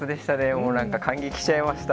もうなんか感激しちゃいました、